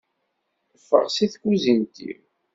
Ffeɣ si tkuzint-iw!